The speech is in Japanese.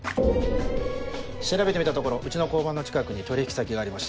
調べてみたところうちの交番の近くに取引先がありました。